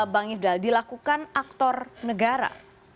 bang ifdal dilakukan aktor negara